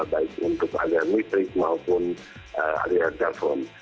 baik untuk aliran listrik maupun aliran telpon